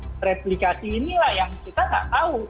nah ini dia replikasi inilah yang kita tak tahu